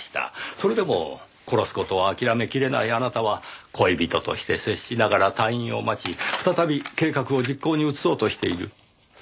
それでも殺す事を諦めきれないあなたは恋人として接しながら退院を待ち再び計画を実行に移そうとしている。